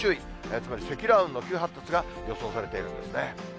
つまり、積乱雲の急発達が予想されているんですね。